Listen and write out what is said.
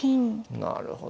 なるほど。